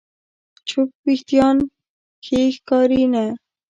چپ وېښتيان ښې ښکاري نه.